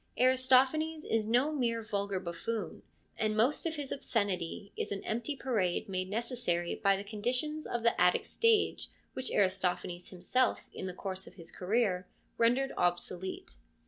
Aristo phanes is no mere vulgar buffoon, and most of his obscenity is an empty parade made necessary by the conditions of the Attic stage which Aristophanes himself in the course of his career rendered obsolete.